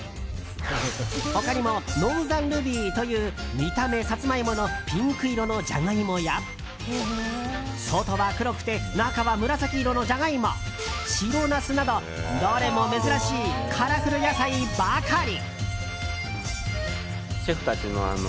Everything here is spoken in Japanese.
他にもノーザンルビーという見た目サツマイモのピンク色のジャガイモや外は黒くて中は紫色のジャガイモ白ナスなどどれも珍しいカラフル野菜ばかり。